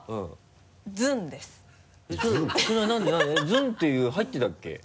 「ずん」っていう入ってたっけ？